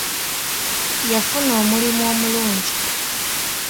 Yafuna omulimu omulungi.